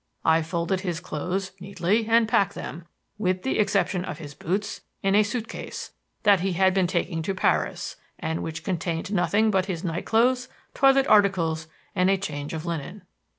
I folded his clothes neatly and packed them, with the exception of his boots, in a suit case that he had been taking to Paris and which contained nothing but his nightclothes, toilet articles, and a change of linen.